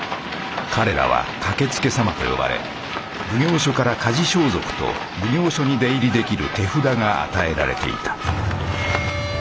彼らは駆けつけ様と呼ばれ奉行所から火事装束と奉行所に出入りできる手札が与えられていた。